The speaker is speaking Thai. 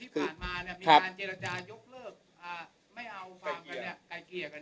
ที่ผ่านมาเนี่ยครับมีการเจรจายกเลิกอ่าไม่เอาฟังกันเนี่ย